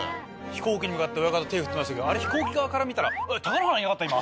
飛行機に向かって親方手振ってましたけどあれ飛行機側から見たら「貴乃花いなかった！？今」。